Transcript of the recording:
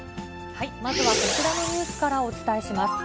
まずはこちらのニュースからお伝えします。